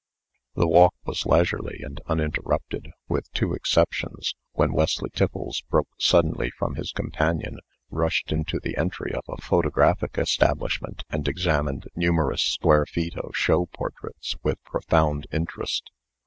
The walk was leisurely and uninterrupted, with two exceptions, when Wesley Tiffles broke suddenly from his companion, rushed into the entry of a photographic establishment, and examined numerous square feet of show portraits with profound interest.